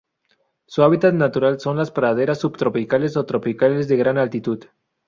Su hábitat natural son: las praderas subtropicales o tropicales de gran altitud.